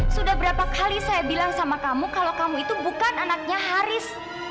sudah berapa kali saya bilang sama kamu kalau kamu itu bukan anaknya haris